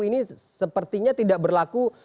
ini sepertinya tidak berlaku